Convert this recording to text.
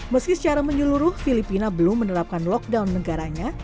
meski secara menyeluruh filipina belum menerapkan lockdown negaranya